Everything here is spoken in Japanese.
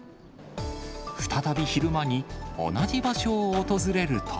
再び昼間に同じ場所を訪れると。